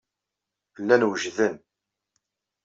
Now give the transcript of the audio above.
Llan wejden.